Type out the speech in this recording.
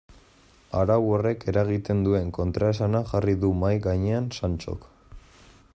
Arau horrek eragiten duen kontraesana jarri du mahai gainean Santxok.